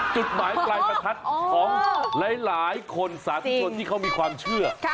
จุดหมายปลายประทัดของหลายคนสาธุชนที่เขามีความเชื่อ